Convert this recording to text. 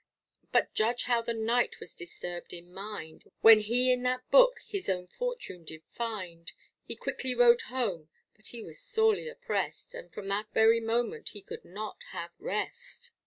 But judge how the knight was disturbed in mind, When he in that book his own fortune did find; He quickly rode home, but was sorely oppressed, From that very moment he could not have rest.